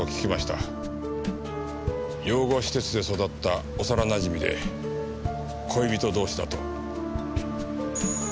養護施設で育った幼なじみで恋人同士だと。